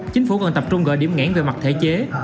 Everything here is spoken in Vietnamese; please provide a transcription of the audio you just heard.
chính phủ còn tập trung gọi điểm ngãn về mặt thể chế